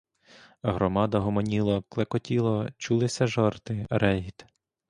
Громада гомоніла, клекотіла, чулися жарти, регіт.